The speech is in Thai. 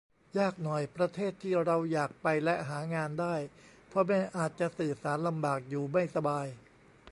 ยากหน่อย ประเทศที่เราอยากไปและหางานได้ พ่อแม่อาจจะสื่อสารลำบาก อยู่ไม่สบาย